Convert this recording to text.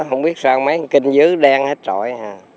không biết sao mấy kinh dứ đen hết trọi